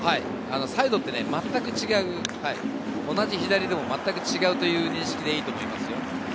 サイドってまったく違う、同じ左でも違うという認識でいいと思いますよ。